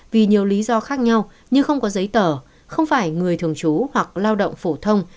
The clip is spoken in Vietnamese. vì nhiều lý do khác nhau như không có giấy tờ không phải người thường trú hoặc lao động phổ thông